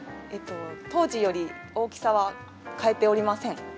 当時より大きさは変えておりません。